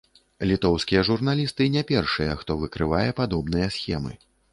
Літоўскія журналісты не першыя, хто выкрывае падобныя схемы.